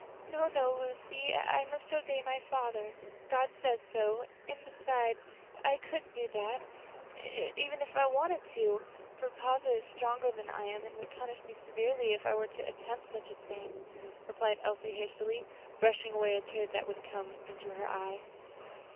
"No, no, Lucy, I must obey my father; God says so; and besides, I couldn't do that if I wanted to, for papa is stronger than I am, and would punish me severely if I were to attempt such a thing," replied Elsie hastily, brushing away a tear that would come into her eye.